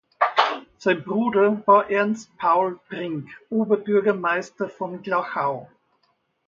Sein Bruder war Ernst Paul Brink, Oberbürgermeister von Glauchau.